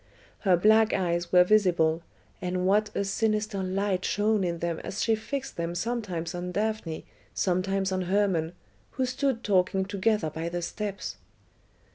Her black eyes were visible, and what a sinister light shone in them as she fixed them sometimes on Daphne, sometimes on Hermon, who stood talking together by the steps!